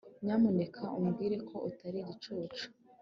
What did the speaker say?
Nyamuneka umbwire ko utari igicucu